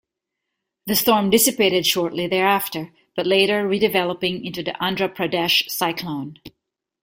The storm dissipated shortly thereafter, but later re-developing into the Andhra Pradesh cyclone.